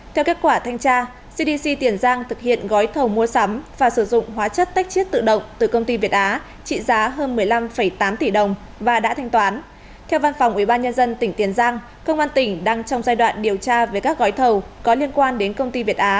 thưa quý vị văn phòng ubnd tỉnh tiền giang vừa có thông báo thông tin về việc xử lý sai phạm của sở y tế liên quan đến công ty việt á